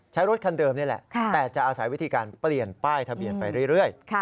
รถคันเดิมนี่แหละแต่จะอาศัยวิธีการเปลี่ยนป้ายทะเบียนไปเรื่อย